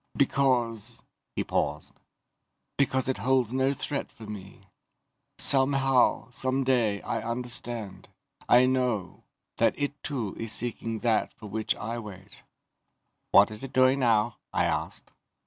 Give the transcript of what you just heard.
"Because ..." He paused. "Because it holds no threat for me. Somehow, someday, I understand I know that it too is seeking that for which I wait." "What is it doing now?" I asked.